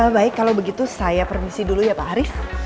baik kalau begitu saya permisi dulu ya pak arief